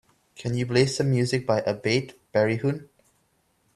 Can you play some music by Abatte Barihun?